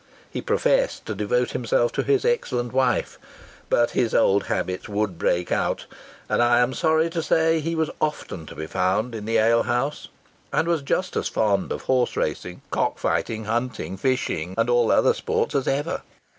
He professed to devote himself to his excellent wife but his old habits would break out; and, I am sorry to say, he was often to be found in the alehouse, and was just as fond of horse racing, cock fighting, hunting, fishing, and all other sports, as ever.